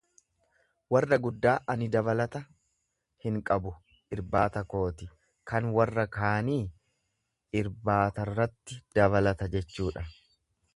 warra guddaa Ani dabalata hin qabu irbaata kooti, kan warra kaanii irbaataratti dabalata jechuudha.